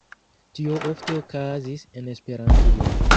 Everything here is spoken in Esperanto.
Tio ofte okazis en Esperantujo.